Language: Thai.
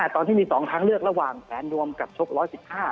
ตอนที่มี๒ทางเลือกระหว่างแผนรวมกับชก๑๑๕